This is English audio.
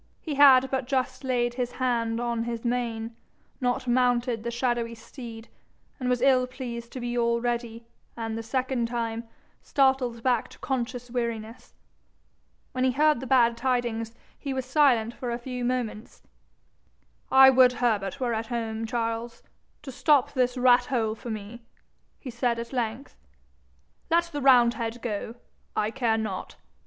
He had but just laid his hand on his mane, not mounted the shadowy steed, and was ill pleased to be already, and the second time, startled back to conscious weariness. When he heard the bad tidings he was silent for a few moments. 'I would Herbert were at home, Charles, to stop this rat hole for me,' he said at length. 'Let the roundhead go I care not.